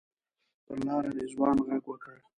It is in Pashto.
پر لاره رضوان غږ وکړ.